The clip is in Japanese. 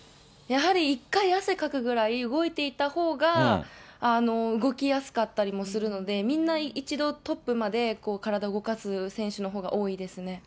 やはり一回汗かくぐらい動いていたほうが、動きやすかったりもするので、みんな一度、トップまで体動かす選手のほうが多いですね。